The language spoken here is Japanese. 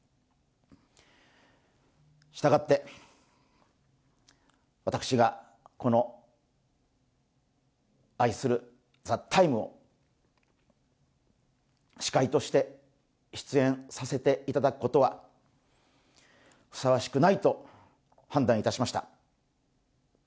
したがって、私がこの愛する「ＴＨＥＴＩＭＥ，」を司会として出演させていただくことはふさわしくないと判断いたしました。